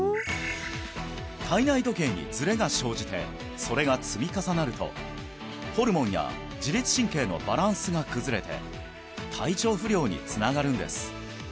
体内時計にズレが生じてそれが積み重なるとホルモンや自律神経のバランスが崩れて体調不良につながるんです